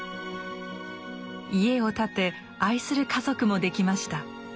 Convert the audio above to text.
家を建て愛する家族もできました。